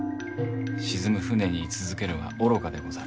沈む船に居続けるは愚かでござる。